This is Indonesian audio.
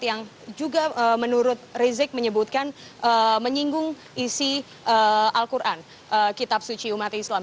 yang juga menurut rizik menyebutkan menyinggung isi al quran kitab suci umat islam